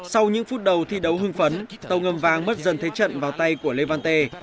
sau những phút đầu thi đấu hương phấn tàu ngầm vàng mất dần thế trận vào tay của levante